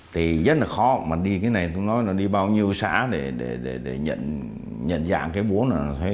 thì rất là khó mà đi cái này tôi nói là đi bao nhiêu xã để nhận dạng cái búa này